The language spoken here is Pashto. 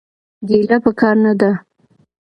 ګيله پکار نه ده.